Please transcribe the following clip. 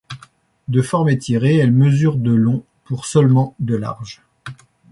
De forme étirée, elle mesure de long pour seulement de large.